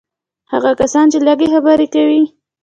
هغه کسان چې لږ خبرې کوي.